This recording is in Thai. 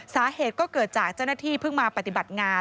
สาเหตุก็เกิดจากเจ้าหน้าที่เพิ่งมาปฏิบัติงาน